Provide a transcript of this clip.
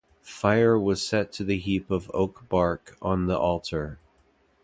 Fire was set to the heap of oak-bark on the altar.